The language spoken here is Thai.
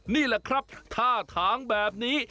นี่แหละครับท่าทางแบบนี้